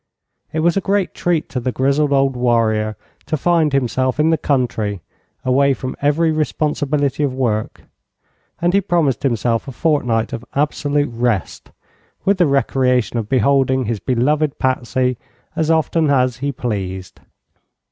It was a great treat to the grizzled old warrior to find himself in the country, away from every responsibility of work, and he promised himself a fortnight of absolute rest, with the recreation of beholding his beloved Patsy as often as he pleased.